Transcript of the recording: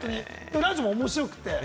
ラジオも面白くって。